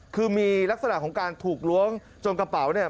คือมีลักษณะของการถูกล้วงจนกระเป๋าเนี่ย